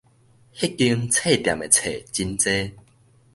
彼間冊店的冊真濟